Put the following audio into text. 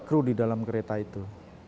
kru di dalam kereta itu